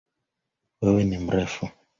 Wewe ni mrefu.